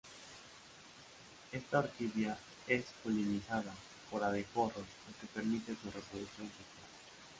Esta orquídea es polinizada por abejorros, lo que permite su reproducción sexual.